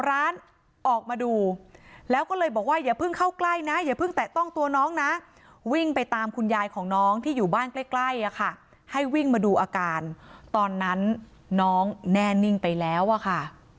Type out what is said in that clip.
ร้านออกมาดูแล้วก็เลยบอกว่าอย่าเพิ่งเข้าใกล้นะอย่าเพิ่งแตะต้องตัวน้องนะวิ่งไปตามคุณยายของน้องที่อยู่บ้านใกล้อะค่ะให้วิ่งมาดูอาการตอนนั้นน้องแน่นิ่งไปแล้วอะค่ะ